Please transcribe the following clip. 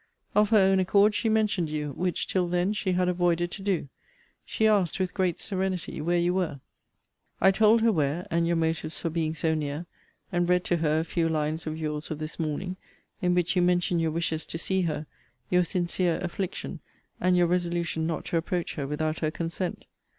Of her own accord she mentioned you; which, till then, she had avoided to do. She asked, with great serenity, where you were? I told her where, and your motives for being so near; and read to her a few lines of your's of this morning, in which you mention your wishes to see her, your sincere affliction, and your resolution not to approach her without her consent.